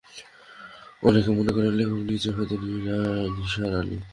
অনেকে মনে করেন লেখক নিজেই হয়তো নিসার আলি।